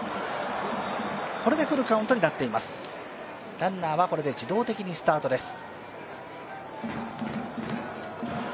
ランナーは、これで自動的にスタートです。